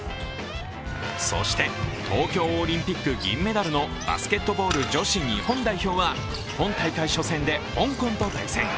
そして、東京オリンピック銀メダルのバスケットボール女子日本代表は今大会初戦で香港と対戦。